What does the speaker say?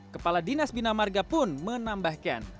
kepala dinas bina marga pun menambahkan